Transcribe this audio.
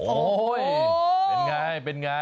โอ้โหเป็นไงเป็นไง